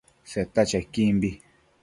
Seta chequimbi